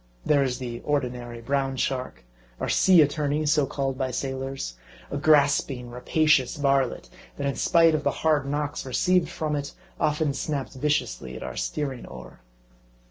There is the ordinary Brown Shark, or sea attorney, so called by sailors ; a grasping, rapacious varlet, that in spite of the hard knocks received from it, often snap ped viciously at our steering oar.